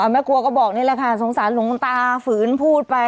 แม่ครัวก็บอกนี่แหละค่ะสงสารหลวงตาฝืนพูดไป